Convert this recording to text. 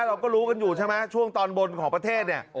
เราก็รู้กันอยู่ใช่ไหมช่วงตอนบนของประเทศเนี่ย